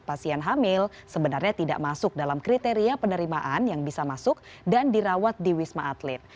pasien hamil sebenarnya tidak masuk dalam kriteria penerimaan yang bisa masuk dan dirawat di wisma atlet